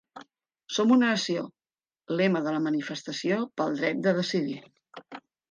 Som una nació, lema de la manifestació pel dret de decidir.